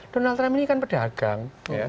donald trump ini kan pedagang